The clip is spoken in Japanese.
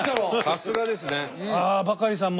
さすがですね。